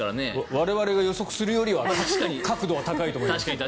我々が予測するよりも確度は高いと思います。